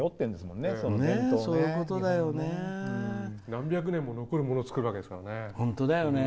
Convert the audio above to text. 何百年も残るもの作るわけですからね。